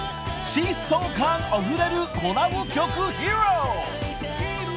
疾走感あふれるコラボ曲披露］